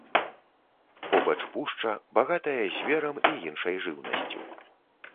Побач пушча багатая зверам і іншай жыўнасцю.